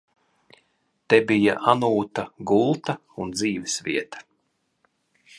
Te bija Anūta gulta un dzīves vieta.